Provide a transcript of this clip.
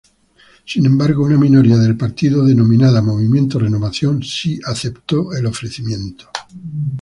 Sin embargo, una minoría del partido denominada Movimiento Renovación sí aceptó el ofrecimiento.